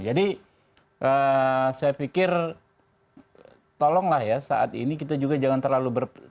jadi saya pikir tolonglah ya saat ini kita juga jangan terlalu ber